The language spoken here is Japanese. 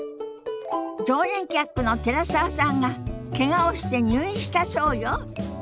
常連客の寺澤さんがけがをして入院したそうよ。